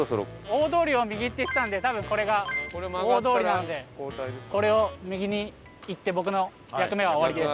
大通りを右って言ってたので多分これが大通りなんでこれを右に行って僕の役目は終わりです。